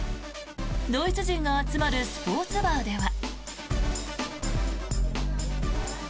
ドイツ人が集まるスポーツバーでは。